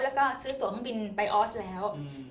แล้วก็ซื้อตัวเครื่องบินไปออสแล้ว